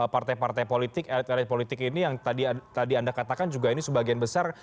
partai partai politik elit elit politik ini yang tadi anda katakan juga ini sebagian besar